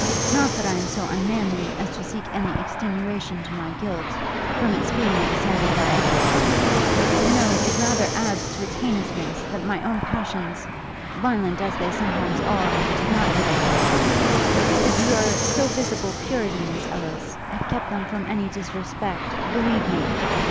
Not that I am so unmanly, as to seek any extenuation to my guilt, from its being excited by others; no; it rather adds to its heinousness, that my own passions, violent as they sometimes are, did not give it birth. But your so visible purity, Miss Ellis, had kept them from any disrespect, believe me!